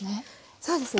そうですね。